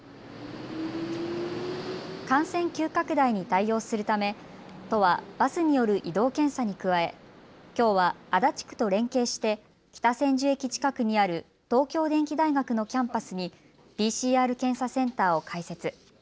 感染急拡大に対応するため都はバスによる移動検査に加えきょうは足立区と連携して北千住駅近くにある東京電機大学のキャンパスにＰＣＲ検査センターを開設。